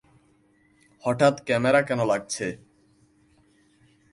হঠাৎ ক্যামেরা কেন লাগছে?